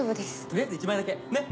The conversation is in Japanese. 取りあえず１枚だけねっ。